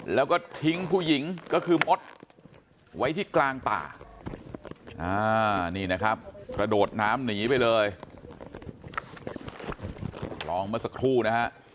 แล้วก็ทิ้งผู้หญิงก็คือมดไว้ที่กลางป่านี่นะครับกระโดดน้ำหนีไปเลยลองเมื่อสักครู่นะฮะ